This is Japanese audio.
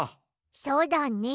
そうだね。